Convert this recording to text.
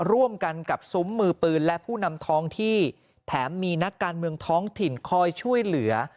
ร่วมกันกับซุ้มมือปืนและผู้นำท้องที่แถมมีนักการเมืองท้องถิ่นคอยช่วยเหลือ